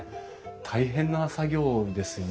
大変な作業ですよねきっと。